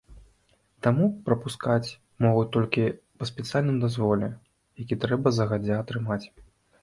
Таму прапускаць могуць толькі па спецыяльным дазволе, які трэба загадзя атрымаць.